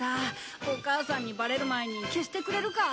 お母さんにバレる前に消してくれるか？